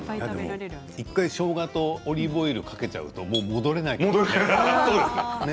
１回しょうがとオリーブオイルをかけちゃうともう戻れないね。